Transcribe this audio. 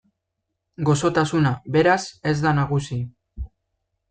Gozotasuna, beraz, ez da nagusi.